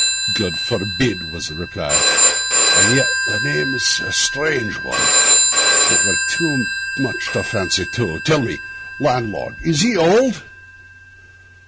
'God forbid!' was the reply. 'And yet the name is a strange one; it were too much to fancy two. Tell me, landlord, is he old?